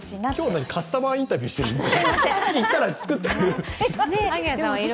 今日カスタマーインタビューしてるんじゃない。